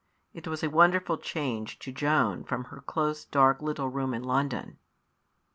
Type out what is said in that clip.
It was a wonderful change to Joan from her close, dark little room in London.